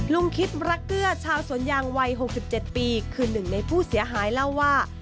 ลุงคิดรักเกลือชาวสวนยางวัย๖๗ปีคือหนึ่งในผู้เสียหายเล่าว่า